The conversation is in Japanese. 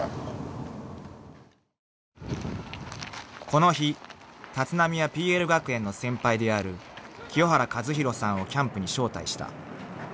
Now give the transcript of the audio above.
［この日立浪はＰＬ学園の先輩である清原和博さんをキャンプに招待した］